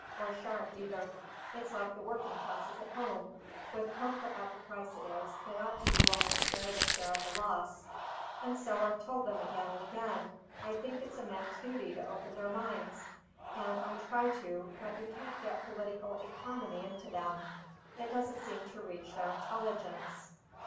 or shark either. It's like the working classes at home. With copra at the price it is, they ought to be willing to bear their share of the loss; and so I've told them again and again. I think it's a man's duty to open their minds, and I try to, but you can't get political economy into them; it doesn't seem to reach their intelligence."